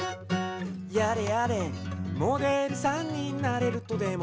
「やれやれモデルさんになれるとでも」